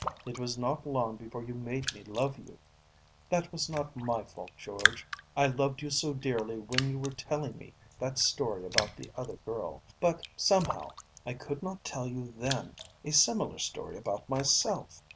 It was not long before you made me love you. That was not my fault, George. I loved you so dearly when you were telling me that story about the other girl; but, somehow, I could not tell you then a similar story about myself.